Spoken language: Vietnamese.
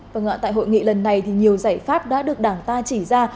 vâng ạ tại hội nghị lần này thì nhiều giải pháp đã được đảng ta chỉ ra